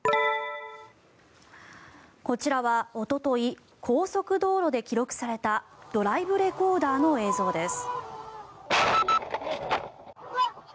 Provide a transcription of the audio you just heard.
こちらは、おととい高速道路で記録されたドライブレコーダーの映像です。